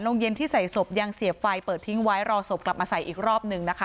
เย็นที่ใส่ศพยังเสียบไฟเปิดทิ้งไว้รอศพกลับมาใส่อีกรอบหนึ่งนะคะ